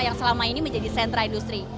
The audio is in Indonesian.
yang selama ini menjadi sentra industri